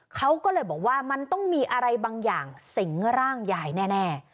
เขาก็เลยบอกว่ามันต้องมีอะไรบางอย่างสิงร่างยายแน่